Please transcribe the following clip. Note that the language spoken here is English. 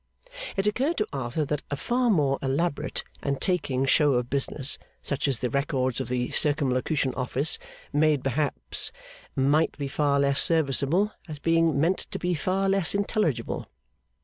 It occurred to Arthur that a far more elaborate and taking show of business such as the records of the Circumlocution Office made perhaps might be far less serviceable, as being meant to be far less intelligible.